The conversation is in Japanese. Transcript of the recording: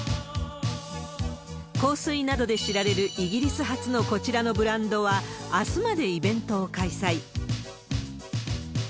香水などで知られるイギリス発のこちらのブランドは、あすまでイベントを開催。